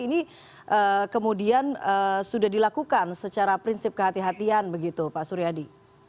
ini kemudian sudah dilakukan secara prinsip kehatian kehatian begitu pak suryadi